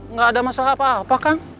nggak ada masalah apa apa kang